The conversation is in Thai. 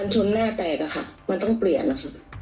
กันชนหน้าแตกค่ะมันต้องเปลี่ยนค่ะ